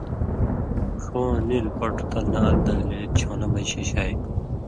ڇُھواں نیلوۡ پٹ تل نہ ال دگلے چھوݩلہ مژ شِشائ۔